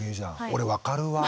俺分かるわ。